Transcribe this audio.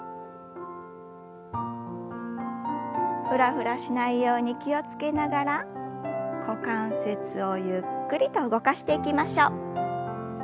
フラフラしないように気を付けながら股関節をゆっくりと動かしていきましょう。